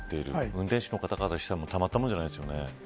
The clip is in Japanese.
運転手の方からしたらたまったもんじゃないですよね。